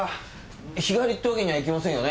日帰りってわけにはいきませんよね？